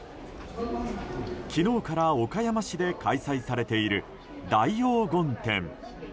昨日から岡山市で開催されている大黄金展。